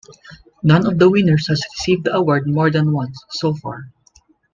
None of the winners has received the award more than once, so far.